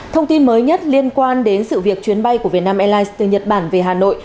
thông tin mới nhất liên quan đến sự việc chuyến bay của vietnam airlines từ nhật bản về hà nội